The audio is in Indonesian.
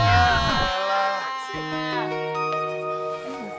tuh si boy kenapa ya